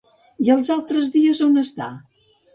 I els altres dies on s'està?